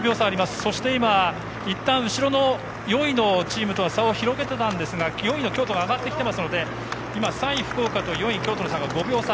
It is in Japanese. そして、いったん後ろの４位のチームとは差を広げていたんですが４位の京都が上がってきていますので今、３位の福岡と４位の京都の差が５秒差。